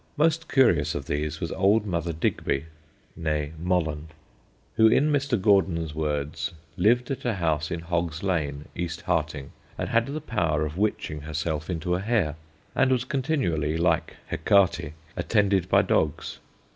Most curious of these was old Mother Digby (née Mollen), who, in Mr. Gordon's words, lived at a house in Hog's Lane, East Harting, and had the power of witching herself into a hare, and was continually, like Hecate, attended by dogs.